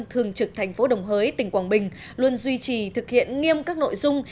thường trực tp đồng hới tỉnh quảng bình luôn duy trì thực hiện nghiêm các nội dung